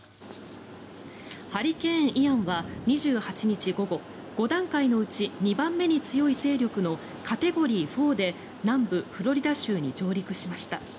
ハリケーン、イアンは２８日午後５段階のうち２番目に強い勢力のカテゴリー４で南部フロリダ州に上陸しました。